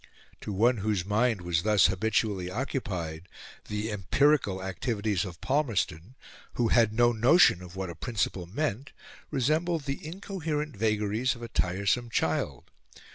To one whose mind was thus habitually occupied, the empirical activities of Palmerston, who had no notion what a principle meant, resembled the incoherent vagaries of a tiresome child.